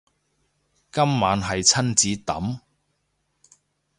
今晚係親子丼